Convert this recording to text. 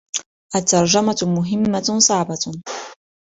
الترجمة مهمّة صعبة.